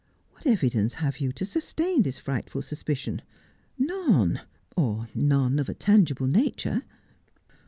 What evidence have you to sustain this frightful suspicion 1 None, or none of a tangible nature.'